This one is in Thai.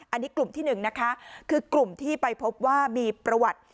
อันนี้กลุ่มที่หนึ่งนะคะคือกลุ่มที่ไปพบว่ามีประวัติ